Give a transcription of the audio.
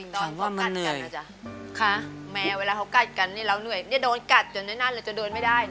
ถามว่ามันเหนื่อยค่ะแมวเวลาเขากัดกันเนี่ยเราเหนื่อยเนี่ยโดนกัดจนด้วยนั่นเลยจะเดินไม่ได้นะ